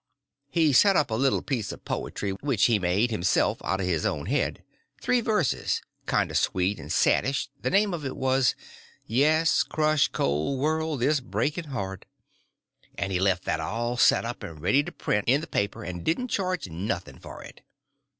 He set up a little piece of poetry, which he made, himself, out of his own head—three verses—kind of sweet and saddish—the name of it was, "Yes, crush, cold world, this breaking heart"—and he left that all set up and ready to print in the paper, and didn't charge nothing for it.